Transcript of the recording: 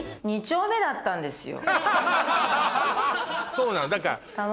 そうなのだから。